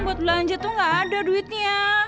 buat belanja tuh gak ada duitnya